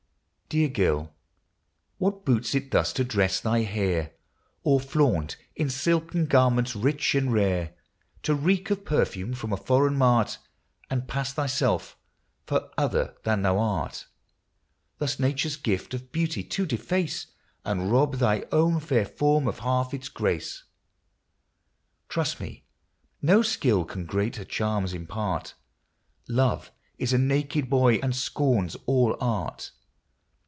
FROM " ELEGIES " BOOK I. II. Dear girl, what boots it thus to dress thy hair, Or flaunt in silken garment rich and rare, To reek of perfume from a foreign mart, And pass thyself for other than thou art — Thus Nature's gift of beauty to deface And rob thy own fair form of half its grace? Trust me, no skill can greater charms impart: Love is a naked boy and scorns all art.